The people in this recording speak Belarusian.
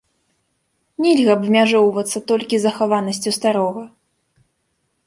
Нельга абмяжоўвацца толькі захаванасцю старога.